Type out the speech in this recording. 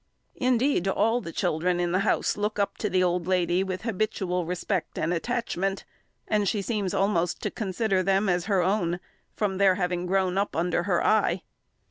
Indeed all the children in the house look up to the old lady with habitual respect and attachment, and she seems almost to consider them as her own, from their having grown up under her eye.